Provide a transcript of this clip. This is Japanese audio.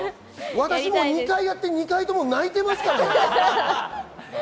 私も２回やって２回とも泣いていますからね。